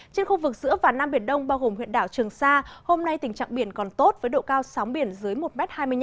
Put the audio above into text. trên khu vực giữa và nam biển đông bao gồm huyện đảo trường sa hôm nay tình trạng biển còn tốt với độ cao sóng biển dưới một hai mươi năm